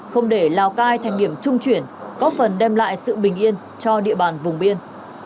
không để lào cai thành điểm trung chuyển có phần đem lại sự bình yên cho địa bàn vùng biên